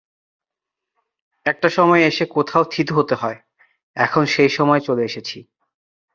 একটা সময়ে এসে কোথাও থিতু হতে হয়, এখন সেই সময়ে চলে এসেছি।